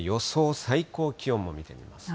最高気温も見てみますと。